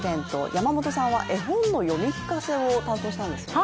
山本さんは絵本の読み聞かせを担当したんですよね？